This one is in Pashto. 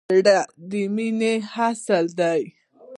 زړه د مینې اصل دی.